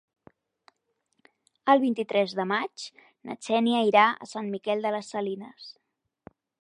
El vint-i-tres de maig na Xènia irà a Sant Miquel de les Salines.